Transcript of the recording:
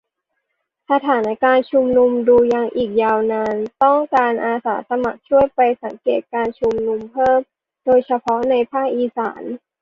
สถานการณ์ชุมนุม ดูยังอีกยาวนาน ต้องการอาสาสมัครช่วยไปสังเกตการณ์ชุมนุมเพิ่ม โดยเฉพาะในภาคอีสาน